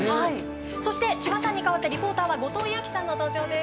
そして千葉さんに代わってリポーターは後藤佑季さんの登場です。